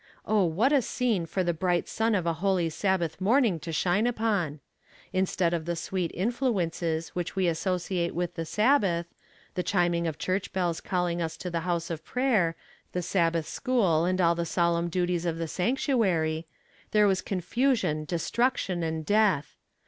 Oh, what a scene for the bright sun of a holy Sabbath morning to shine upon! Instead of the sweet influences which we associate with the Sabbath the chiming of church bells calling us to the house of prayer, the Sabbath school, and all the solemn duties of the sanctuary, there was confusion, destruction and death.